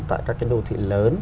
tại các cái đô thị lớn